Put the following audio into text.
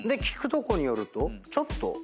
聞くとこによるとちょっと。